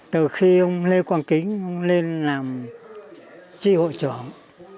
từ khi ông lê quang kính lên làm trị hội trưởng